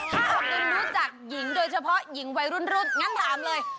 ถ้าอับดุ้นรู้จักหญิงโดยเฉพาะหญิงวัยรุ่นงั้นถามเลย